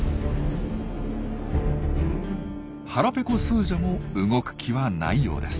腹ペコスージャも動く気はないようです。